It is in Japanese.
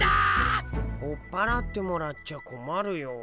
追っ払ってもらっちゃこまるよ。